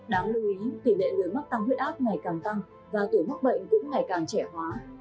đáng lưu ý tỷ lệ người mắc tăng huyết áp ngày càng tăng và tuổi mắc bệnh cũng ngày càng trẻ hóa